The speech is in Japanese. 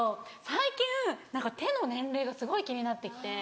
最近何か手の年齢がすごい気になって来て。